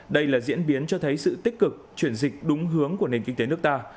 đây là diễn biến cho thấy sự tích cực chuyển dịch đúng hướng của nền kinh tế nước ta